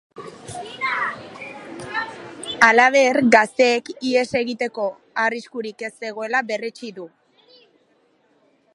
Halaber, gazteek ihes egiteko arriskurik ez zegoela berretsi du.